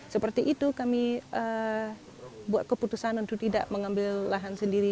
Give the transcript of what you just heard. seperti itu kami buat keputusan untuk tidak mengambil lahan sendiri